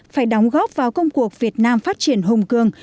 phải đóng góp vào công cuộc việt nam phát triển hùng cường